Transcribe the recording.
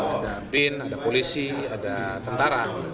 ada bin ada polisi ada tentara